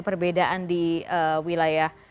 perbedaan di wilayah